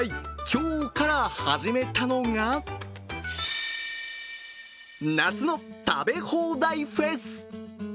今日から始めたのが夏の食べ放題フェス。